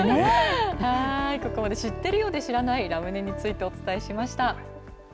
ここまで知っているようで知らないラムネについてお伝えしました。